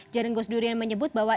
jaring gus durian menyebut bahwa